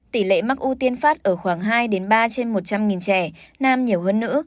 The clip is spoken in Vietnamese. tỷ lệ mắc u tiên phát ở khoảng hai ba trên một trăm linh trẻ nam nhiều hơn nữ